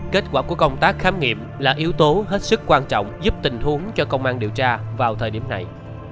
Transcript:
kết quả của công tác khám nghiệm là yếu tố hết sức quan trọng giúp tình huống cho công an điều tra vào thời điểm này